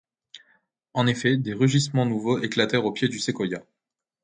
En effet, des rugissements nouveaux éclatèrent au pied du séquoia.